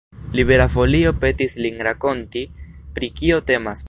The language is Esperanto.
Libera Folio petis lin rakonti, pri kio temas.